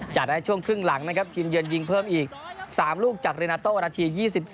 จะได้ช่วงครึ่งหลังนะครับทีมเยือนยิงเพิ่มอีก๓ลูกจากเรนาโต้นาที๒๔